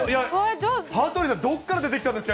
羽鳥さん、どこから出てきたんですか？